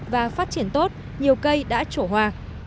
và phát triển tốt nhiều cây đã trổ hoa